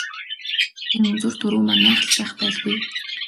Энэ жилийн үзүүр түрүү манайх л байх байлгүй.